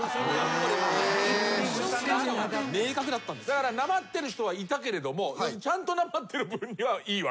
だからなまってる人はいたけれどもちゃんとなまってる分にはいいわけね？